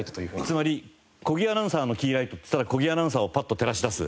つまり小木アナウンサーのキーライトっていったら小木アナウンサーをパッと照らし出す。